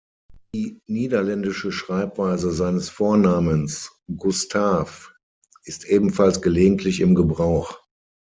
Die niederländische Schreibweise seines Vornamens, "Gustaaf", ist ebenfalls gelegentlich im Gebrauch.